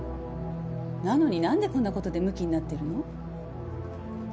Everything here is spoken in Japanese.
なのに何でこんなことでムキになってるの？